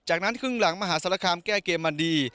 จากนั้นครึ่งหลังมหาศาลคามแก้เกมมาดี